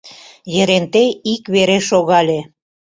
Еренте ик вере шогале.